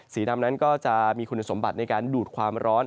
สีดำนั้นก็จะมีคุณสมบัติในการดูดความร้อน